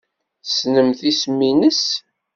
Tessnemt isem-nnes?